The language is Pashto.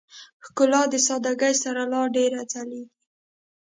ښکلا د سادهګۍ سره لا ډېره ځلېږي.